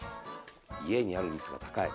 家にある率が高い！